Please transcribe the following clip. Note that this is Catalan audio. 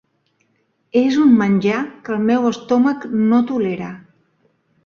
És un menjar que el meu estómac no tolera.